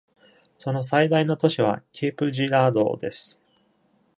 その最大の都市はケープジラードーです。